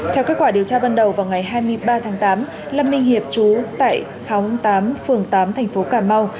theo kết quả điều tra ban đầu vào ngày hai mươi ba tháng tám lâm minh hiệp trú tại khóng tám phường tám thành phố cà mau